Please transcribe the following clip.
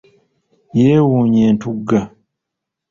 Yeewunnya entugga.